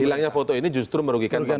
hilangnya foto ini justru merugikan